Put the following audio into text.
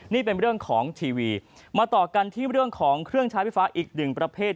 มาต่อกันที่การครอบครองเครื่องใช้ไฟฟ้าอีก๑ประเภท